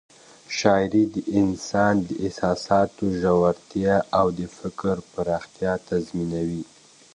شاعري د انسان د احساساتو ژورتیا او د فکر پراختیا تضمینوي.